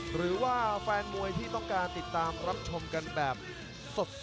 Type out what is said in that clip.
หรือว่าแฟนมวยที่ต้องการติดตามรับชมกันแบบสด